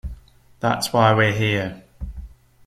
That's why we're here.